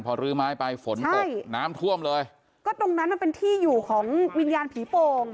พอรื้อไม้ไปฝนตกน้ำท่วมเลยก็ตรงนั้นมันเป็นที่อยู่ของวิญญาณผีโป่ง